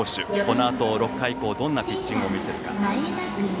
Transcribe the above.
このあと６回以降どんなピッチングを見せるか。